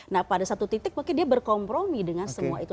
nah pada satu titik mungkin dia berkompromi dengan semua itu